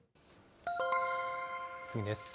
次です。